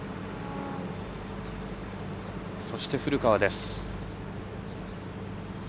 そして古川です。